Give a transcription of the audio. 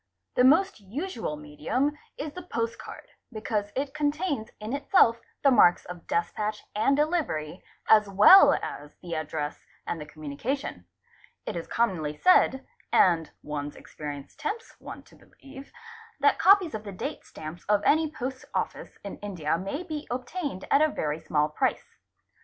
The most usual medium is the postcard, because it contains in itself the marks of despatch and delivery as well as the address and the communication; it is commonly said, and one's experience tempts one to believe, that copies of the date stamps of any post office in India may be obtained at a very small price.